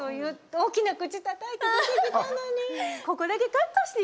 大きな口たたいて出てきたのに。